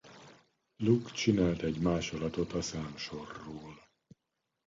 Luke csinál egy másolatot a számsorról.